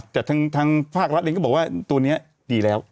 แต่ทางภาครัฐเองก็บอกว่าตัวนี้ดีแล้ว